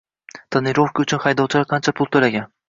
Tonirovka uchun haydovchilar qancha pul toʻlagan?